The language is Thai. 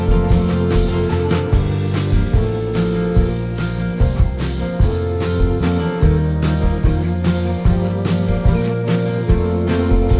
โปรดติดตามต่อไป